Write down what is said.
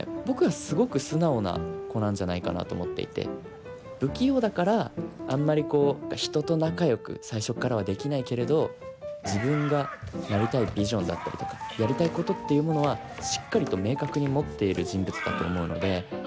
僕はすごく素直な子なんじゃないかなと思っていて不器用だからあんまりこう人と仲よく最初っからはできないけれど自分がなりたいビジョンだったりとかやりたいことっていうものはしっかりと明確に持っている人物だと思うので。